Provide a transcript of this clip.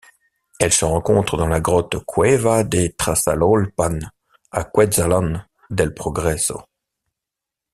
Elle se rencontre dans la grotte Cueva de Tasalolpan à Cuetzalan del Progreso.